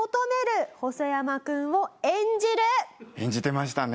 「演じてましたね」。